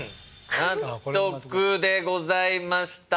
納得でございました。